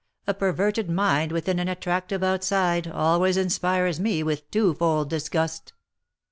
A perverted mind within an attractive outside always inspires me with twofold disgust."